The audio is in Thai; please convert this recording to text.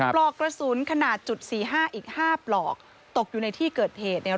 ปลอกกระสุนขนาดจุดสี่ห้าอีกห้าปลอกตกอยู่ในที่เกิดเหตุเนี่ย